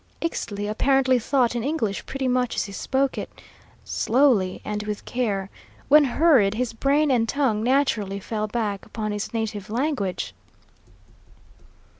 Ixtli apparently thought in English pretty much as he spoke it, slowly, and with care. When hurried, his brain and tongue naturally fell back upon his native language.